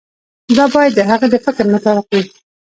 دا باید د هغه د فکر مطابق وي.